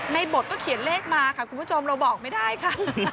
บทก็เขียนเลขมาค่ะคุณผู้ชมเราบอกไม่ได้ค่ะ